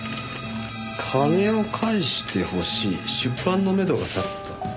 「金を返して欲しい」「出版のめどが立った」